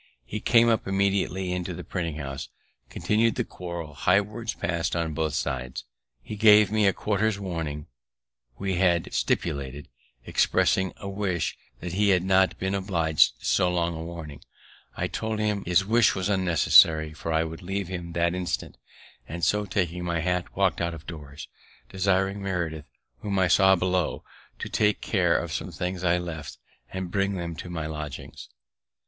He came up immediately into the printing house, continu'd the quarrel, high words pass'd on both sides, he gave me the quarter's warning we had stipulated, expressing a wish that he had not been oblig'd to so long a warning. I told him his wish was unnecessary, for I would leave him that instant; and so, taking my hat, walk'd out of doors, desiring Meredith, whom I saw below, to take care of some things I left, and bring them to my lodgings.